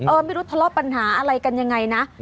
ไม่รู้ทะเลาะปัญหาอะไรกันยังไงนะ